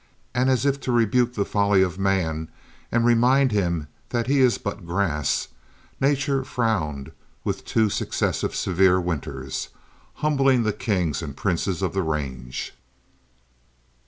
And as if to rebuke the folly of man and remind him that he is but grass, Nature frowned with two successive severe winters, humbling the kings and princes of the range.